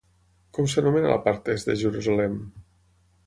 Com s'anomena la part est de Jerusalem?